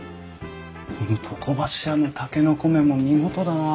この床柱の筍面も見事だなあ。